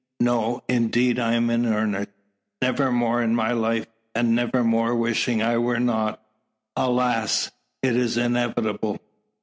"No, indeed. I am in earnest. Never more in my life, and never more wishing I were not. Alas! it is inevitable!"